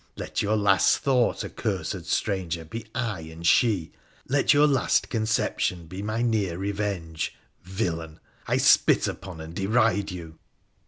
Let your last thought, accursed stranger, be I and she : let your last con ception be my near re\enge ! Villain ! I spit upon and deride you